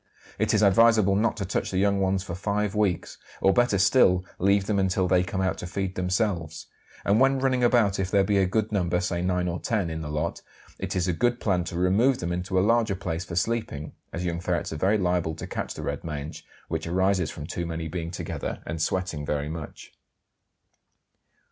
It is advisable not to touch the young ones for five weeks, or better still leave them until they come out to feed themselves; and when running about, if there be a good number, say nine or ten, in the lot, it is a good plan to remove them into a larger place for sleeping, as young ferrets are very liable to catch the red mange, which arises from too many being together and sweating very much.